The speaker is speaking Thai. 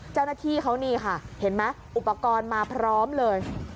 เจ้าหน้าที่เขานี่ค่ะเห็นไหมอุปกรณ์มาพร้อมเลย